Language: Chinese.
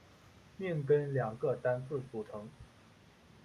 命根两个单字组成。